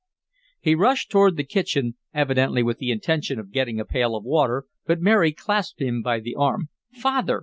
He rushed toward the kitchen, evidently with the intention of getting a pail of water, but Mary clasped him by the arm. "Father!"